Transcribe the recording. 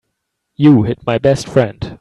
You hit my best friend.